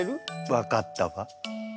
分かったわ。